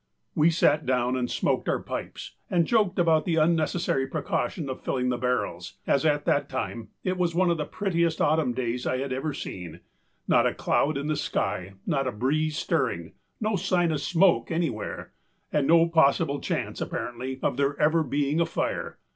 We sat down and smoked our pipes and joked about the unnecessary precaution of filling the barrels, as at that time it was one of the prettiest autumn days I have ever seen, not a cloud in the sky, not a breeze stirring, no sign of smoke anywhere, and no possible chance, apparently, of there ever being a fire.